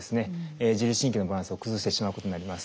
自律神経のバランスを崩してしまうことになります。